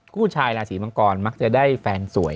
ผู้ชายราศีมังกรมักจะได้แฟนสวย